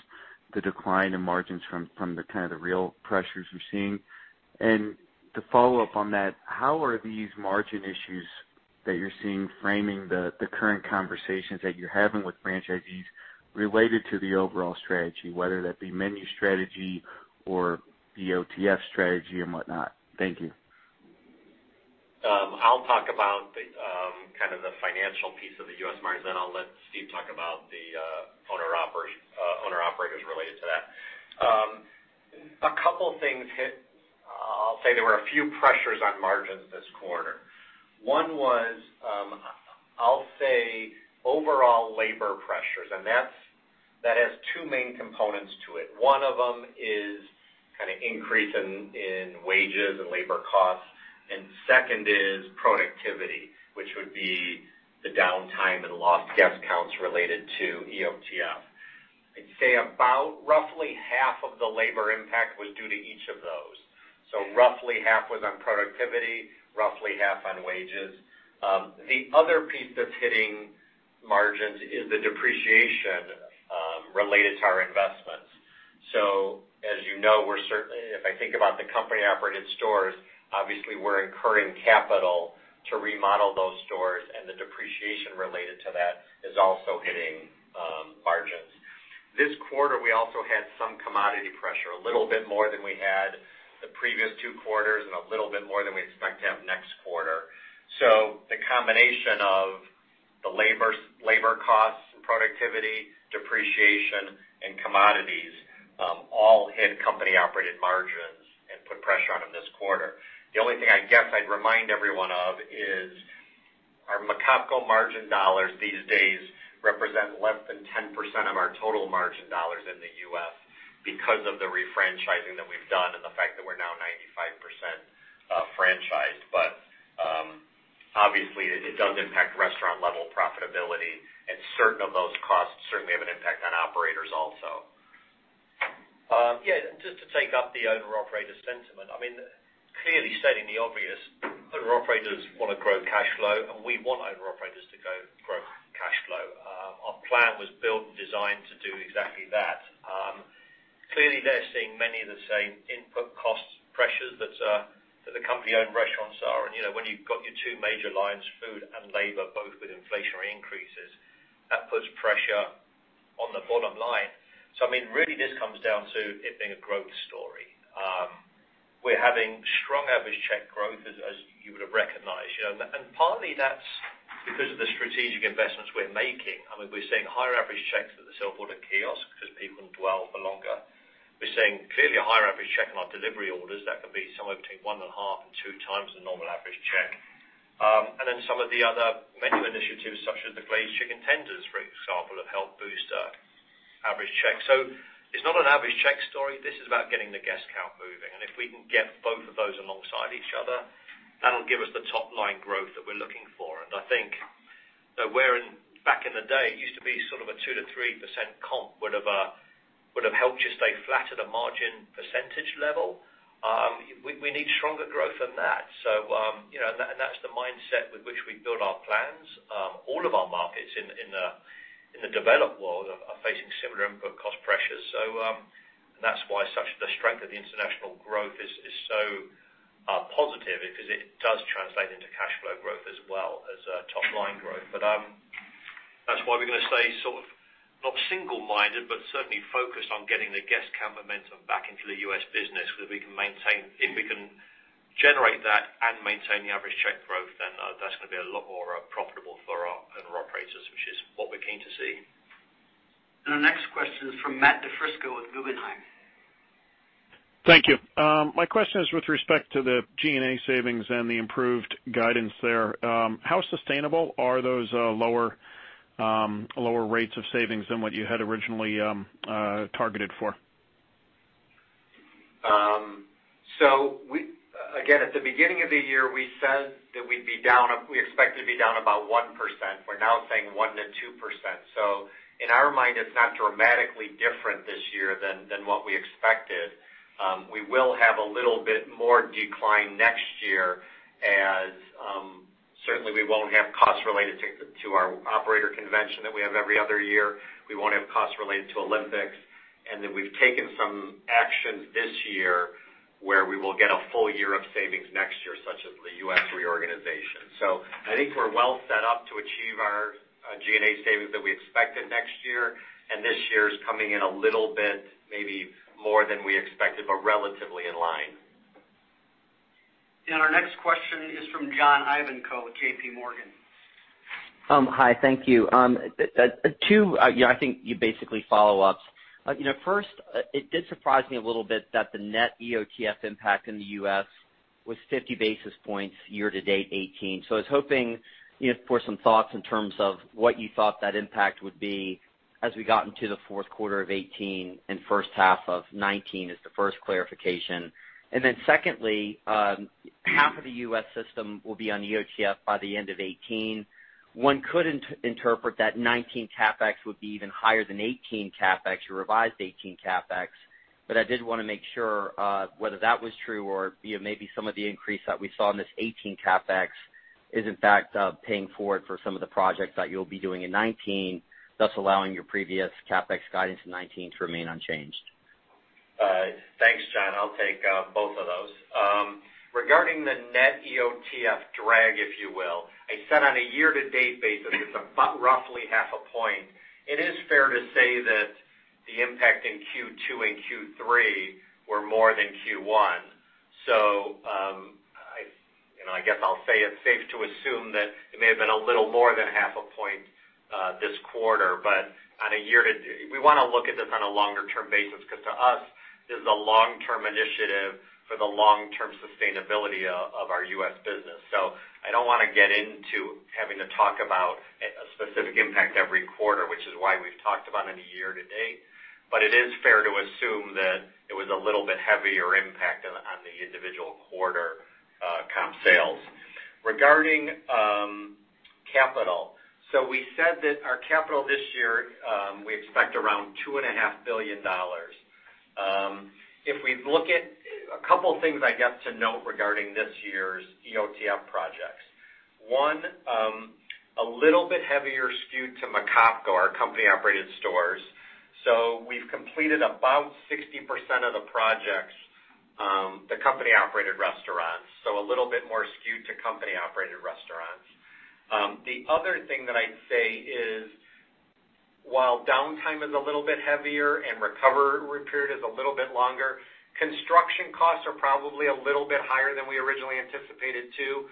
the decline in margins from the kind of the real pressures we're seeing? To follow up on that, how are these margin issues that you're seeing framing the current conversations that you're having with franchisees related to the overall strategy, whether that be menu strategy or EOTF strategy and whatnot? Thank you. I'll talk about the financial piece of the U.S. margins, then I'll let Steve talk about the owner-operators related to that. A couple things hit. There were a few pressures on margins this quarter. One was overall labor pressures, that has two main components to it. One of them is increase in wages and labor costs, second is productivity, which would be the downtime and lost guest counts related to EOTF. About roughly half of the labor impact was due to each of those. Roughly half was on productivity, roughly half on wages. The other piece that's hitting margins is the depreciation related to our investments. As you know, if I think about the company-operated stores, obviously we're incurring capital to remodel those stores, the depreciation related to that is also hitting margins. This quarter, we also had some commodity pressure, a little bit more than we had the previous two quarters and a little bit more than we expect to have next quarter. The combination of the labor costs and productivity, depreciation, and commodities, all hit company-operated margins and put pressure on them this quarter. The only thing I'd remind everyone of is our McOpCo margin dollars these days represent less than 10% of our total margin dollars in the U.S. because of the refranchising that we've done and the fact that we're now 95% franchised. Obviously, it does impact restaurant-level profitability and certain of those costs certainly have an impact on operators also. Just to take up the owner/operator sentiment. Clearly stating the obvious, owner/operators want to grow cash flow, we want owner/operators to grow cash flow. Our plan was built and designed to do exactly that. Clearly, they're seeing many of the same input costs pressures that the company-owned restaurants are, when you've got your two major lines, food and labor, both with inflationary increases, that puts pressure on the bottom line. Really this comes down to it being a growth story. We're having strong average check growth, as you would have recognized. Partly that's because of the strategic investments we're making. We're seeing higher average checks at the self-order kiosk because people dwell for longer. We're seeing clearly a higher average check on our delivery orders that can be somewhere between one and a half and two times the normal average check. Some of the other menu initiatives, such as the Glazed Chicken Tenders, for example, have helped boost average check. It's not an average check story. This is about getting the guest count moving, and if we can get both of those alongside each other, that'll give us the top-line growth that we're looking for. I think back in the day, it used to be a 2%-3% comp would have helped you stay flat at a margin percentage level. We need stronger growth than that. That's the mindset with which we build our plans. All of our markets in the developed world are facing similar input cost pressures. That's why the strength of the international growth is so positive because it does translate into cash flow growth as well as top-line growth. That's why we're going to stay not single-minded, but certainly focused on getting the guest count momentum back into the U.S. business, where if we can generate that and maintain the average check growth, then that's going to be a lot more profitable for our owner/operators, which is what we're keen to see. Our next question is from Matthew DiFrisco with Guggenheim. Thank you. My question is with respect to the G&A savings and the improved guidance there. How sustainable are those lower rates of savings than what you had originally targeted for? Again, at the beginning of the year, we said that we expect to be down about 1%. We're now saying 1%-2%. In our mind, it's not dramatically different this year than what we expected. We will have a little bit more decline next year, as certainly we won't have costs related to our operator convention that we have every other year. We won't have costs related to Olympics. Then we've taken some actions this year where we will get a full year of savings next year, such as the U.S. reorganization. I think we're well set up to achieve our G&A savings that we expected next year. This year is coming in a little bit, maybe more than we expected, but relatively in line. Our next question is from John Ivankoe with JPMorgan. Hi, thank you. Two, I think, basically, follow-ups. First, it did surprise me a little bit that the net EOTF impact in the U.S. was 50 basis points year-to-date 2018. I was hoping for some thoughts in terms of what you thought that impact would be as we got into the fourth quarter of 2018 and first half of 2019 as the first clarification. Secondly, half of the U.S. system will be on EOTF by the end of 2018. One could interpret that 2019 CapEx would be even higher than 2018 CapEx or revised 2018 CapEx. I did want to make sure whether that was true or maybe some of the increase that we saw in this 2018 CapEx is in fact paying forward for some of the projects that you'll be doing in 2019, thus allowing your previous CapEx guidance in 2019 to remain unchanged. Thanks, John. I'll take both of those. Regarding the net EOTF drag, if you will, I said on a year-to-date basis, it's about roughly half a point. It is fair to say that the impact in Q2 and Q3 were more than Q1. I guess I'll say it's safe to assume that it may have been a little more than half a point this quarter. We want to look at this on a longer term basis, because to us, this is a long-term initiative for the long-term sustainability of our U.S. business. I don't want to get into having to talk about a specific impact every quarter, which is why we've talked about it in a year-to-date. It is fair to assume that it was a little bit heavier impact on the individual quarter comp sales. Regarding capital, we said that our capital this year, we expect around $2.5 billion. A couple of things I guess to note regarding this year's EOTF projects. One, a little bit heavier skewed to McOpCo, our company-operated stores. We've completed about 60% of the projects, the company-operated restaurants. A little bit more skewed to company-operated restaurants. The other thing that I'd say is while downtime is a little bit heavier and recovery period is a little bit longer, construction costs are probably a little bit higher than we originally anticipated too,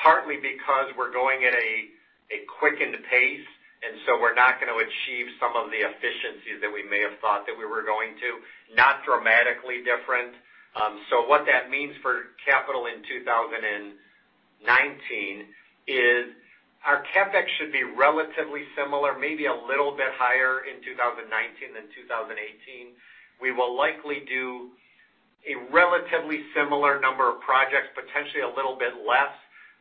partly because we're going at a quickened pace, we're not going to achieve some of the efficiencies that we may have thought that we were going to. Not dramatically different. What that means for capital in 2019 is our CapEx should be relatively similar, maybe a little bit higher in 2019 than 2018. We will likely do a relatively similar number of projects, potentially a little bit less,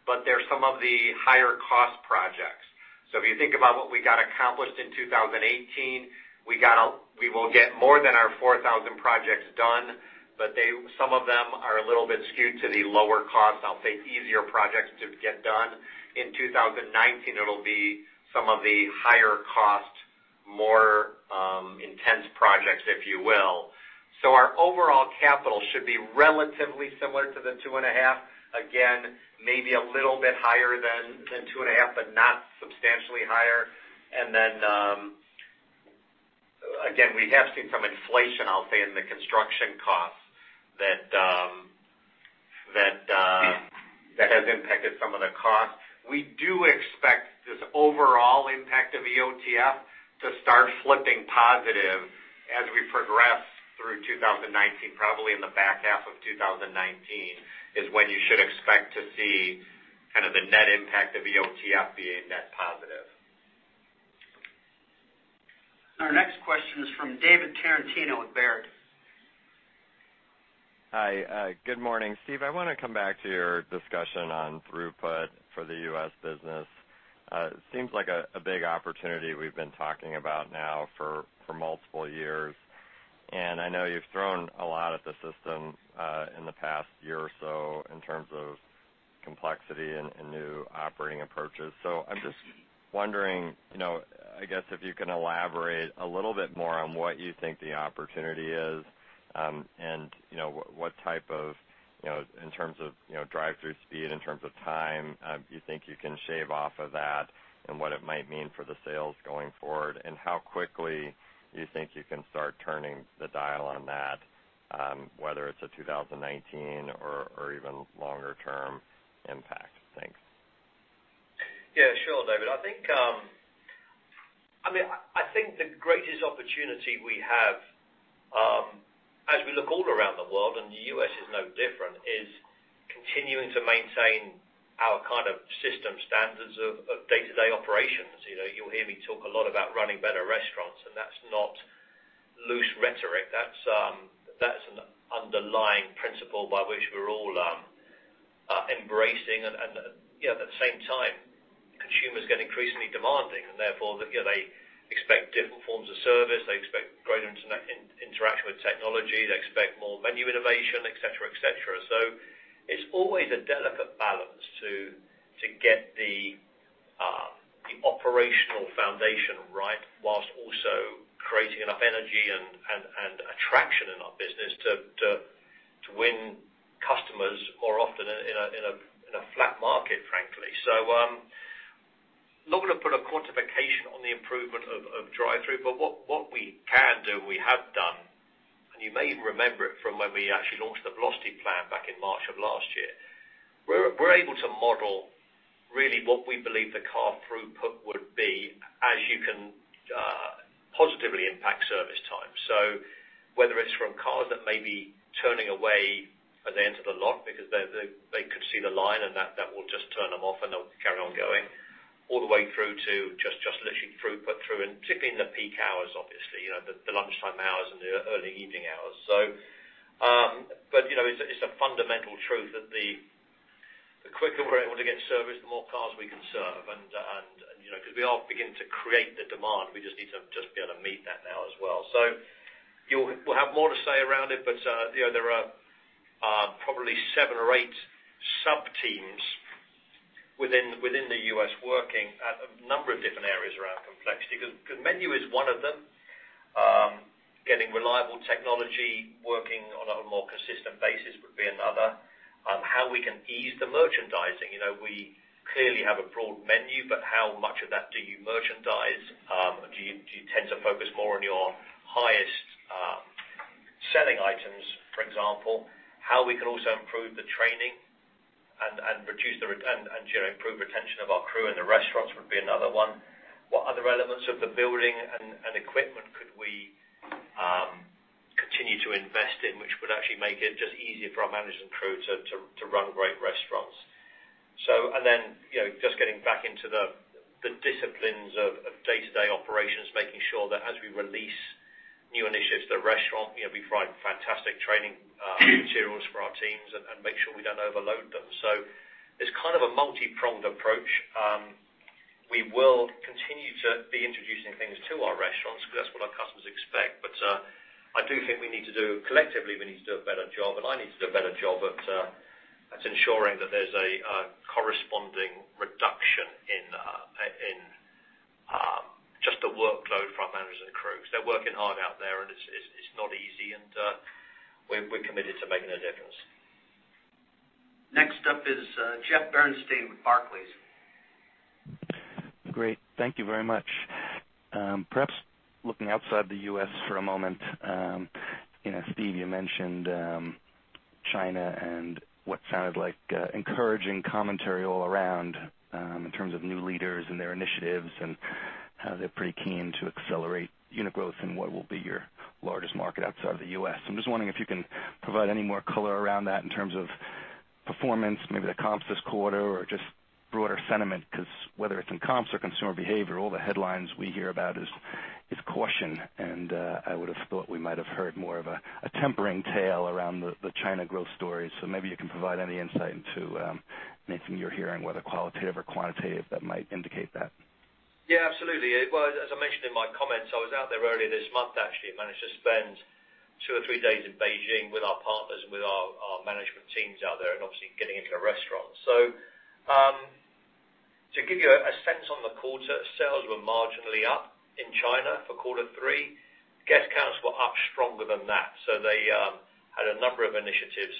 but they're some of the higher-cost projects. If you think about what we got accomplished in 2018, we will get more than our 4,000 projects done, but some of them are a little bit skewed to the lower-cost, I'll say, easier projects to get done. In 2019, it'll be some of the higher-cost, more intense projects, if you will. Our overall capital should be relatively similar to the 2.5. Again, maybe a little bit higher than 2.5, but not substantially higher. Again, we have seen some inflation, I'll say, in the construction costs that has impacted some of the costs. We do expect this overall impact of EOTF to start flipping positive as we progress through 2019. Probably in the back half of 2019 is when you should expect to see kind of the net impact of EOTF being net positive. Our next question is from David Tarantino with Baird. Hi, good morning. Steve, I want to come back to your discussion on throughput for the U.S. business. Seems like a big opportunity we've been talking about now for multiple years, and I know you've thrown a lot at the system in the past year or so in terms of complexity and new operating approaches. I'm just wondering, I guess if you can elaborate a little bit more on what you think the opportunity is, and what type of, in terms of drive-thru speed, in terms of time you think you can shave off of that and what it might mean for the sales going forward, and how quickly you think you can start turning the dial on that whether it's a 2019 or even longer term impact. Thanks. Yeah, sure, David. I think I think the greatest opportunity we have, as we look all around the world, and the U.S. is no different, is continuing to maintain our kind of system standards of day-to-day operations. You'll hear me talk a lot about running better restaurants, and that's not loose rhetoric. That's an underlying principle by which we're all embracing and, at the same time, consumers get increasingly demanding and therefore, they expect different forms of service. They expect greater interaction with technology. They expect more menu innovation, et cetera. It's always a delicate balance to get the operational foundation right whilst also creating enough energy and attraction in our business to win customers more often in a flat market, frankly. Not going to put a quantification on the improvement of drive-through, but what we can do, and we have done, and you may even remember it from when we actually launched the Velocity Growth Plan back in March of last year. We're able to model really what we believe the car throughput would be, as you can positively impact service times. Whether it's from cars that may be turning away at the end of the lot because they could see the line and that will just turn them off and they'll carry on going, all the way through to just literally throughput through, and particularly in the peak hours, obviously, the lunchtime hours and the early evening hours. It's a fundamental truth that the quicker we're able to get service, the more cars we can serve because we are beginning to create the demand. We just need to just be able to meet that now as well. We'll have more to say around it, but there are probably seven or eight sub-teams within the U.S. working at a number of different areas around complexity. The menu is one of them. Getting reliable technology working on a more consistent basis would be another. How we can ease the merchandising. We clearly have a broad menu, but how much of that do you merchandise? Do you tend to focus more on your highest selling items, for example? How we can also improve the training and improve retention of our crew in the restaurants would be another one. What other elements of the building and equipment could we continue to invest in, which would actually make it just easier for our managers and crew to run great restaurants. Just getting back into the disciplines of day-to-day operations, making sure that as we release new initiatives to the restaurant, we provide fantastic training materials for our teams and make sure we don't overload them. It's kind of a multi-pronged approach. We will continue to be introducing things to our restaurants because that's what our customers expect. I do think we need to do, collectively, we need to do a better job, and I need to do a better job at ensuring that there's a corresponding reduction in just the workload for our managers and crews. They're working hard out there, and it's not easy, and we're committed to making a difference. Next up is Jeffrey Bernstein with Barclays. Great. Thank you very much. Perhaps looking outside the U.S. for a moment. Steve, you mentioned China and what sounded like encouraging commentary all around in terms of new leaders and their initiatives and how they're pretty keen to accelerate unit growth in what will be your largest market outside of the U.S. I'm just wondering if you can provide any more color around that in terms of performance, maybe the comps this quarter or just broader sentiment, because whether it's in comps or consumer behavior, all the headlines we hear about is caution. I would have thought we might have heard more of a tempering tale around the China growth story. Maybe you can provide any insight into anything you're hearing, whether qualitative or quantitative, that might indicate that. Absolutely. Well, as I mentioned in my comments, I was out there earlier this month, actually, managed to spend two or three days in Beijing with our partners and with our management teams out there and obviously getting into the restaurant. To give you a sense on the quarter, sales were marginally up in China for quarter three. Guest counts were up stronger than that. They had a number of initiatives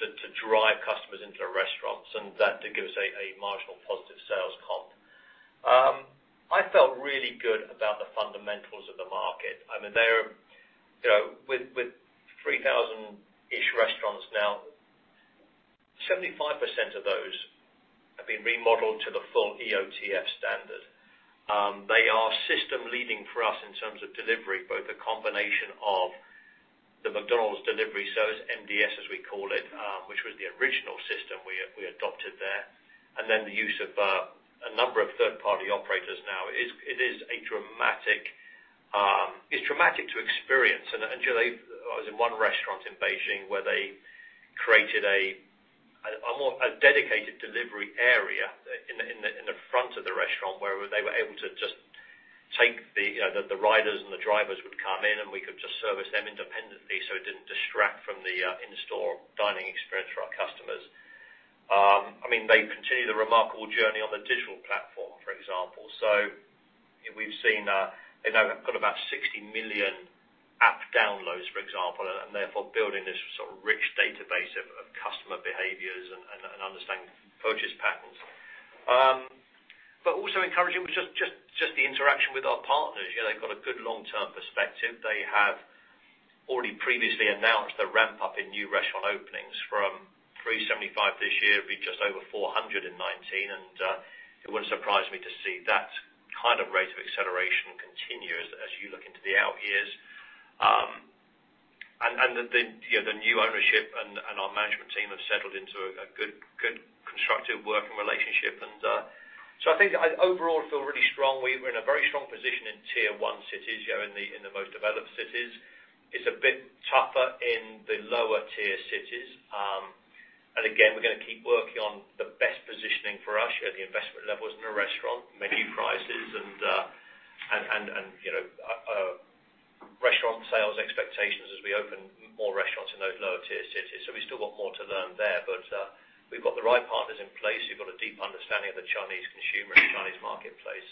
to drive customers into the restaurants, and that did give us a marginal positive sales comp. I felt really good about the fundamentals of the market. With 3,000-ish restaurants now, 75% of those have been remodeled to the full EOTF standard. They are system leading for us in terms of delivery, both a combination of the McDonald's delivery service, MDS as we call it, which was the original system we adopted there, and then the use of a number of third-party operators now. It's dramatic to experience. I was in one restaurant in Beijing where they created a dedicated delivery area in the front of the restaurant where they were able to just take the riders, and the drivers would come in and we could just service them independently, so it didn't distract from the in-store dining experience for our customers. They continue the remarkable journey on the digital platform, for example. We've seen they now have got about 60 million app downloads, for example, and therefore building this sort of rich database of customer behaviors and understanding purchase patterns. Also encouraging was just the interaction with our partners. They've got a good long-term perspective. Already previously announced a ramp up in new restaurant openings from 375 this year, it'll be just over 400 in 2019, it wouldn't surprise me to see that kind of rate of acceleration continue as you look into the out years. The new ownership and our management team have settled into a good, constructive working relationship. I think I overall feel really strong. We're in a very strong position in tier 1 cities, in the most developed cities. It's a bit tougher in the lower tier cities. Again, we're going to keep working on the best positioning for us. The investment levels in a restaurant, menu prices, and restaurant sales expectations as we open more restaurants in those lower tier cities. We still want more to learn there, but we've got the right partners in place. We've got a deep understanding of the Chinese consumer and Chinese marketplace.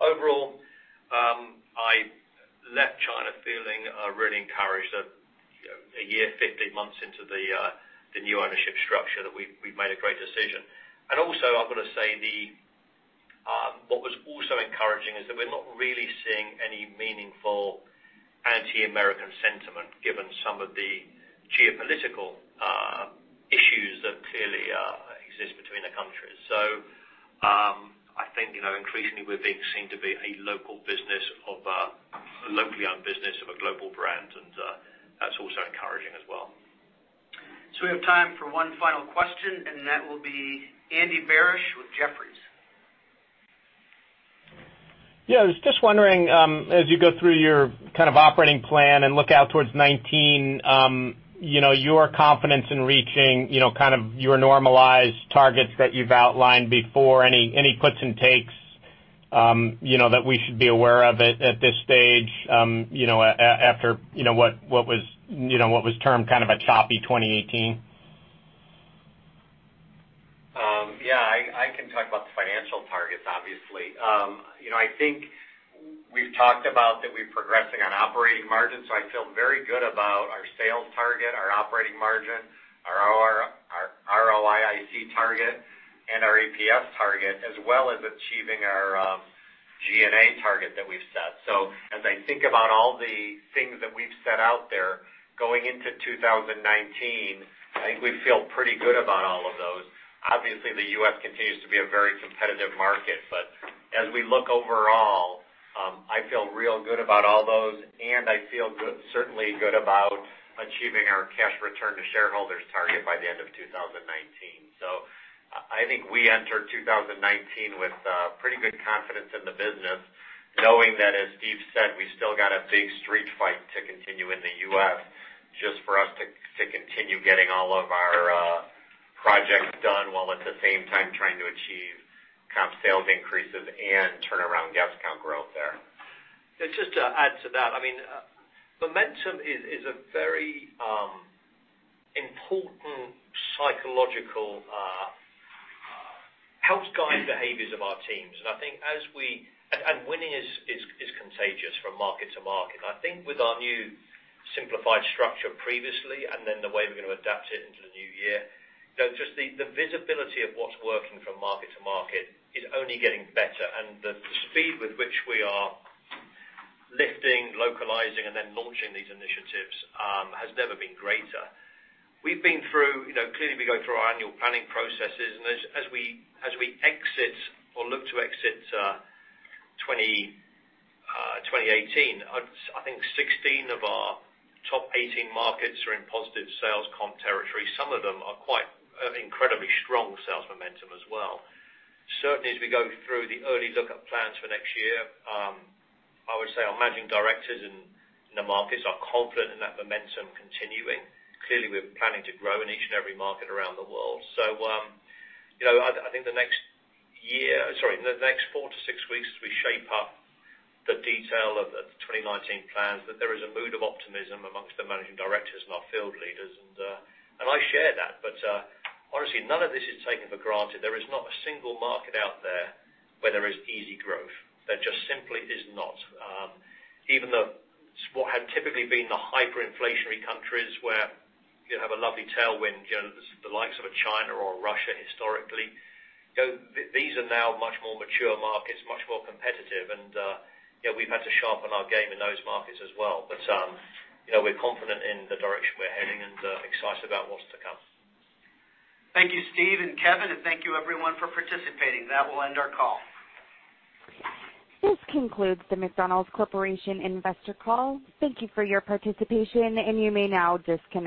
Overall, I left China feeling really encouraged that a year, 15 months into the new ownership structure, that we've made a great decision. Also, I've got to say, what was also encouraging is that we're not really seeing any meaningful anti-American sentiment given some of the geopolitical issues that clearly exist between the countries. I think increasingly we're being seen to be a locally owned business of a global brand, and that's also encouraging as well. We have time for one final question, and that will be Andy Barish with Jefferies. I was just wondering, as you go through your kind of operating plan and look out towards 2019, your confidence in reaching your normalized targets that you've outlined before. Any gives and takes that we should be aware of at this stage, after what was termed kind of a choppy 2018? I can talk about the financial targets, obviously. I think we've talked about that we're progressing on operating margin, so I feel very good about our sales target, our operating margin, our ROIC target, and our EPS target, as well as achieving our G&A target that we've set. As I think about all the things that we've set out there going into 2019, I think we feel pretty good about all of those. Obviously, the U.S. continues to be a very competitive market, but as we look overall, I feel real good about all those, and I feel certainly good about achieving our cash return to shareholders target by the end of 2019. I think we enter 2019 with pretty good confidence in the business, knowing that, as Steve said, we still got a big street fight to continue in the U.S. just for us to continue getting all of our projects done, while at the same time trying to achieve comp sales increases and turn around guest count growth there. Just to add to that, momentum is a very important psychological helps guide behaviors of our teams. Winning is contagious from market to market. I think with our new simplified structure previously, then the way we're going to adapt it into the new year, just the visibility of what's working from market to market is only getting better. The speed with which we are lifting, localizing, and then launching these initiatives has never been greater. Clearly, we go through our annual planning processes, and as we exit or look to exit 2018, I think 16 of our top 18 markets are in positive sales comp territory. Some of them are quite incredibly strong sales momentum as well. Certainly, as we go through the early look at plans for next year, I would say our managing directors in the markets are confident in that momentum continuing. Clearly, we're planning to grow in each and every market around the world. I think the next four to six weeks as we shape up the detail of the 2019 plans, that there is a mood of optimism amongst the managing directors and our field leaders. I share that. Honestly, none of this is taken for granted. There is not a single market out there where there is easy growth. There just simply is not. Even what had typically been the hyperinflationary countries where you have a lovely tailwind, the likes of a China or Russia historically, these are now much more mature markets, much more competitive, and we've had to sharpen our game in those markets as well. We're confident in the direction we're heading and excited about what's to come. Thank you, Steve and Kevin, and thank you, everyone, for participating. That will end our call. This concludes the McDonald's Corporation investor call. Thank you for your participation, and you may now disconnect.